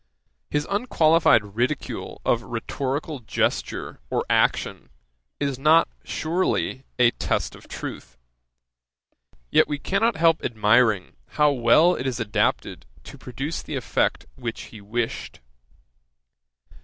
His unqualified ridicule of rhetorical gesture or action is not, surely, a test of truth; yet we cannot help admiring how well it is adapted to produce the effect which he wished.